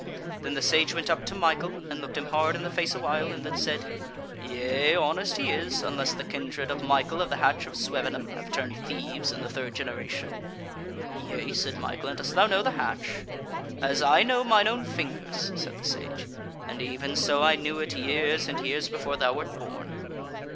Then the Sage went up to Michael and looked him hard in the face awhile, and then said: "Yea, honest he is unless the kindred of Michael of the Hatch of Swevenham have turned thieves in the third generation." "Yea," said Michael, "and dost thou know the Hatch?" "As I know mine own fingers," said the Sage; "and even so I knew it years and years before thou wert born."